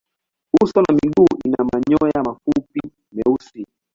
Uso na miguu ina manyoya mafupi meusi.